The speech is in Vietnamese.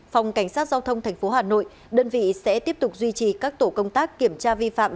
phòng cảnh sát giao thông tp hà nội đơn vị sẽ tiếp tục duy trì các tổ công tác kiểm tra vi phạm